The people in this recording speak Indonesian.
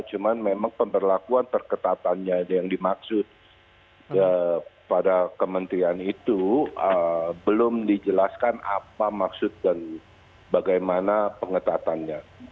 cuma memang pemberlakuan perketatannya yang dimaksud pada kementerian itu belum dijelaskan apa maksud dan bagaimana pengetatannya